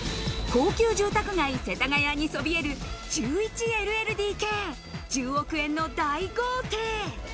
高級住宅街・世田谷にそびえる１１ＬＬＤＫ、１０億円の大豪邸。